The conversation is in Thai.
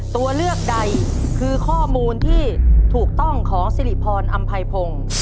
ตัวเลือกใดคือข้อมูลที่ถูกต้องของสิริพรอำไพพงศ์